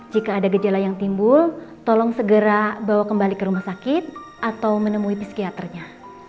jika ada gejala yang timbul tolong segera bawa kembali ke rumah sakit atau menemui psikiaternya